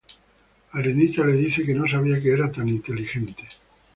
Arenita le dice que no sabía que era tan inteligente.